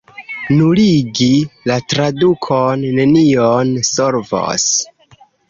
Nuligi la tradukon nenion solvos.